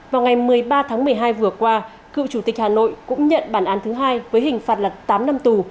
vào ngày một mươi ba tháng một mươi hai vừa qua cựu chủ tịch hà nội cũng nhận bản án thứ hai với hình phạt là tám năm tù